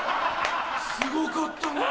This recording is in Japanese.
すごかったなぁ。